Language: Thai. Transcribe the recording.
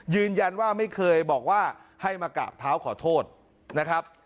ยืนยันว่าไม่เคยบอกว่าให้มากราบเท้าขอโทษนะครับ